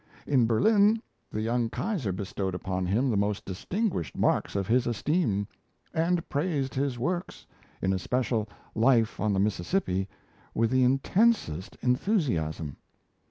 In Berlin, the young Kaiser bestowed upon him the most distinguished marks of his esteem; and praised his works, in especial 'Life on the Mississippi', with the intensest enthusiasm.